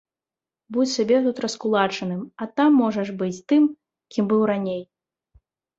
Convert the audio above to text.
Будзь сабе тут раскулачаным, а там можаш быць тым, кім быў раней.